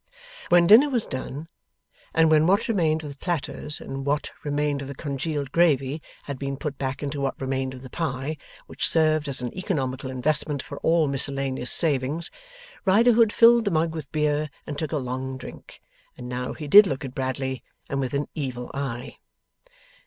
When dinner was done, and when what remained of the platters and what remained of the congealed gravy had been put back into what remained of the pie, which served as an economical investment for all miscellaneous savings, Riderhood filled the mug with beer and took a long drink. And now he did look at Bradley, and with an evil eye.